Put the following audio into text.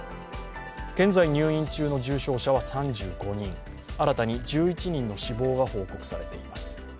現在入院中の重症者は３５人新たに１１人の死亡が報告されています。